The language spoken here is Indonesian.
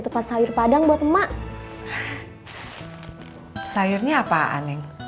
jenis sayur nicem kcomangel